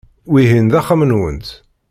Wihin d axxam-nwent.